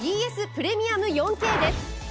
プレミアム４Ｋです。